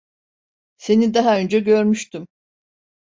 Seni daha önce görmüştüm.